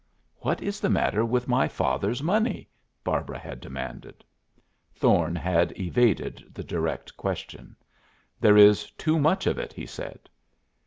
"What is the matter with my father's money?" Barbara had demanded. Thorne had evaded the direct question. "There is too much of it," he said.